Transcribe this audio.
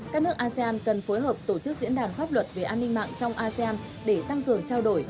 các nước asean cần phối hợp tổ chức diễn đàn pháp luật về an ninh mạng trong asean để tăng cường trao đổi